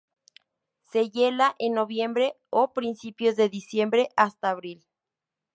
Se hiela en noviembre o principios de diciembre hasta abril.